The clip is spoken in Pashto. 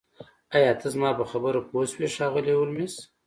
ایا ته زما په خبره پوه شوې ښاغلی هولمز